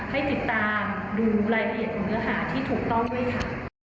ให้ติดตามดูรายละเอียดของเนื้อหาที่ถูกต้องด้วยค่ะ